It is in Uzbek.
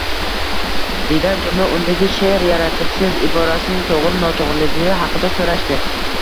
Degan jumla, undagi sheʼr yaratibsiz iborasining toʻgʻri-notoʻgʻriligi haqida soʻrashdi